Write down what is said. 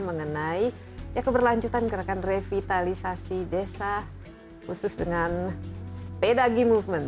mengenai ya keberlanjutan kita akan revitalisasi desa khusus dengan sepeda ge movement